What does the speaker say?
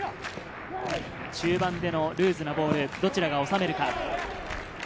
中盤でのルーズなボール、どちらか収めるか？